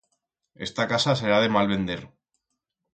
Esta casa será de mal vender.